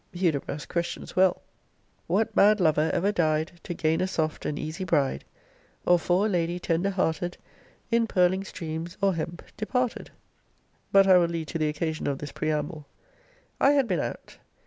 Hudibras questions well, What mad lover ever dy'd To gain a soft and easy bride? Or, for a lady tender hearted, In purling streams, or hemp, departed? But I will lead to the occasion of this preamble. I had been out.